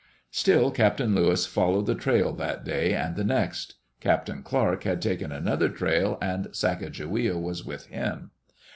Still Captain Lewis followed the trail that day and the next. Captain Clark had taken another trail and Sacajawea was with him.